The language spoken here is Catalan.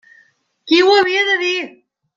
Qui ho havia de dir!